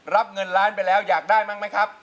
รับเงินล้านไปแล้วอยากได้บ้างไหมครับ